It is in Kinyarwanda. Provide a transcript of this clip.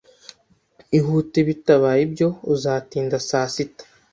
Ihute, bitabaye ibyo uzatinda saa sita.